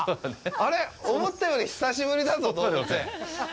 あれ、思ったより久しぶりだぞ、動物園。